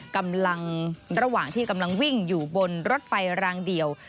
ระหว่างที่กำลังวิ่งอยู่บนรถไฟรางเดียว